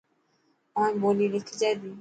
اوهائي ٻولي لکجي تي.